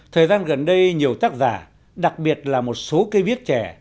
thời gian gần đây nhiều tác giả đặc biệt là một số cây viết trẻ